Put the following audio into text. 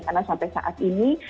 karena sampai saat ini